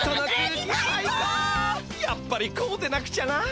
やっぱりこうでなくちゃな。